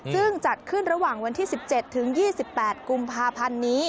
ซึ่งจัดขึ้นระหว่างวันที่๑๗ถึง๒๘กุมภาพันธ์นี้